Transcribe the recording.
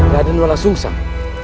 rada nuala sungsang